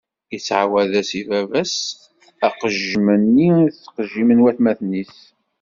Ittɛawad-as i baba-s aqejjem-nni i ttqejjimen watmaten-is.